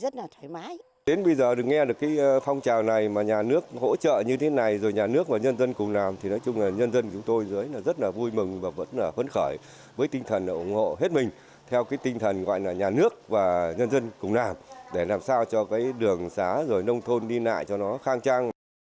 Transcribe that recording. con đường này mà nhà nước hỗ trợ như thế này rồi nhà nước và nhân dân cùng làm thì nói chung là nhân dân chúng tôi dưới là rất là vui mừng và vẫn là phấn khởi với tinh thần ủng hộ hết mình theo cái tinh thần gọi là nhà nước và nhân dân cùng làm để làm sao cho cái đường xá rồi nông thôn đi lại cho nó khang trang